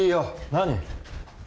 何？